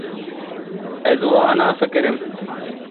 Ez wiha nafikirim.